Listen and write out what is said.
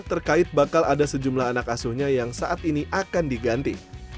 terkait bakal ada sejumlah anak asuhnya yang saat ini akan diganti